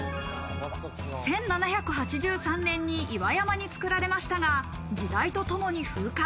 １７８３年に岩山に造られましたが、時代とともに風化。